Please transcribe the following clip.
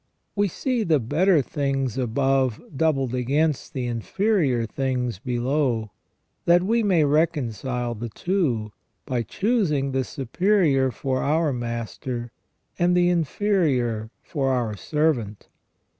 We see the better things above doubled against the inferior things below, that we may reconcile the two, by choosing the superior for our master and the inferior for our servant.